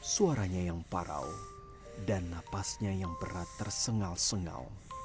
suaranya yang parau dan napasnya yang berat tersengal sengal